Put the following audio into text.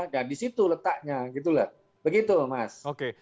nah di situ letaknya gitu lah begitu mas